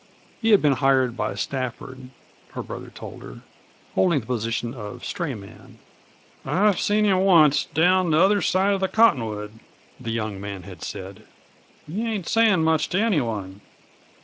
He had been hired by Stafford, her brother told her, holding the position of stray man. "I've seen him once, down the other side of the cottonwood," the young man had said. "He ain't saying much to anyone.